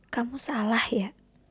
kamu salah ya